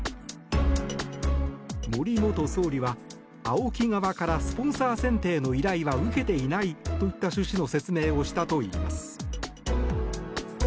森元総理は、ＡＯＫＩ側からスポンサー選定の依頼は受けていないといった趣旨の説明をしたといいます。